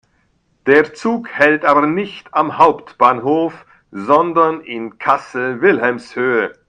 Der Zug hält aber nicht am Hauptbahnhof, sondern in Kassel-Wilhelmshöhe.